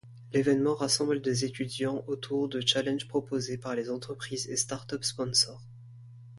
L’événement rassemble des étudiants autour de challenges proposés par les entreprises et startups sponsors.